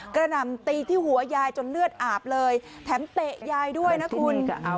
หน่ำตีที่หัวยายจนเลือดอาบเลยแถมเตะยายด้วยนะคุณ